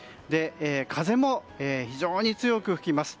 風も非常に強く吹きます。